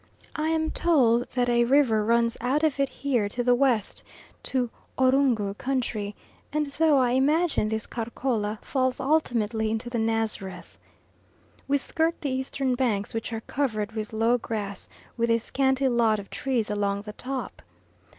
I am told that a river runs out of it here to the west to Ouroungou country, and so I imagine this Karkola falls ultimately into the Nazareth. We skirt the eastern banks, which are covered with low grass with a scanty lot of trees along the top.